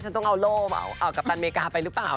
หรือเปล่านะฮะ